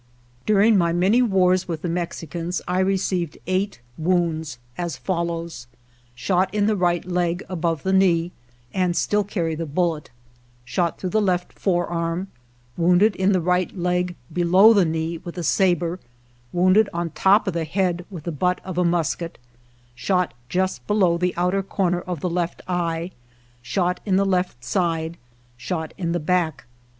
During my many wars with the Mexicans I received eight wounds, as follows: shot in the right leg above the knee, and still carry 109 GERONIMO the bullet; shot through the left forearm; wounded in the right leg below the knee with a saber ; wounded on top of the head with the butt of a musket; shot just below the outer corner of the left eye ; shot in left side ; shot in the back.